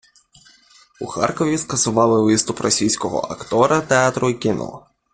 У Харкові скасували виступ російського актора театру і кіно.